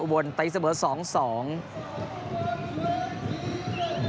อุบวนตะยิ้งเสมอ๒๒